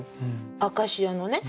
「アカシア」のね